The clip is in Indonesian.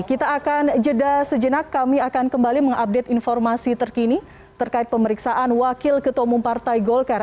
kita akan jeda sejenak kami akan kembali mengupdate informasi terkini terkait pemeriksaan wakil ketua umum partai golkar